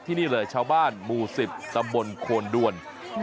ที่นี่แหละชาวบ้านหมู่สิบตำบลควนด้วน